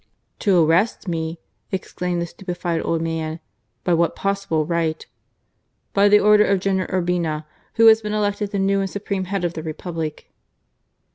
"To arrest me,'' exclaimed the stupefied old man, " by what possible right ?" "By the order of General Urbina, who has been elected the new and supreme head of the Republic."